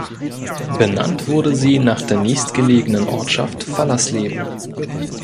Benannt wurde sie nach der nächstgelegenen Ortschaft Fallersleben.